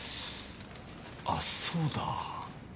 あっそうだ。